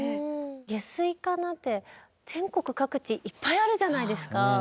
下水管なんて全国各地いっぱいあるじゃないですか。